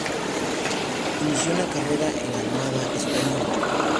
Inició una carrera en la Armada Española.